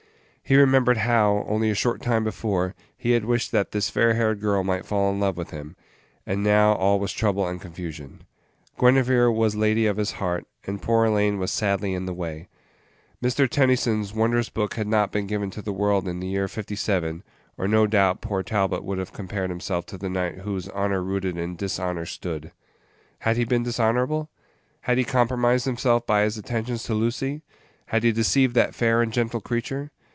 He remembered how, only a short time before, he had wished that this fair haired girl might fall in love with him, and now all was trouble and confusion. Guinevere was lady of his heart, and poor Elaine was sadly in the way. Mr. Tennyson's wondrous book had not been given to the world in the year fifty seven, or no doubt poor Talbot would have compared himself to the knight whose "honor rooted in dishonor stood." Had he been dishonorable? Had he compromised himself by his attentions to Lucy? Had he deceived that fair and gentle creature?